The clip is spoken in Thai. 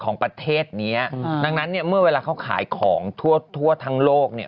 ของประเทศเนี้ยอืมดังนั้นเนี่ยเมื่อเวลาเขาขายของทั่วทั่วทั้งโลกเนี่ย